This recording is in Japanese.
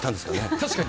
確かに。